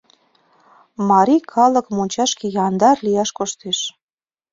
— Марий калык мончашке яндар лияш коштеш.